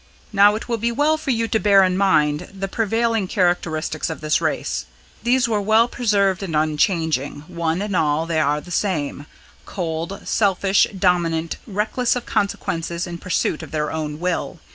"Now, it will be well for you to bear in mind the prevailing characteristics of this race. These were well preserved and unchanging; one and all they are the same: cold, selfish, dominant, reckless of consequences in pursuit of their own will.